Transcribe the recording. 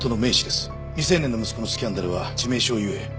未成年の息子のスキャンダルは致命傷ゆえ